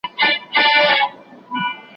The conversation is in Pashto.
پاچاهان نه د چا وروڼه نه خپلوان دي